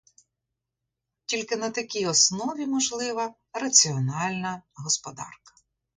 Тільки на такій основі можлива раціональна господарка.